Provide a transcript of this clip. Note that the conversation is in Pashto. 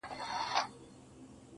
زه د ښار ښايستې لكه كمر تر ملا تړلى يم~